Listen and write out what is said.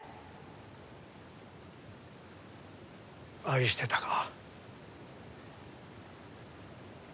愛してたか？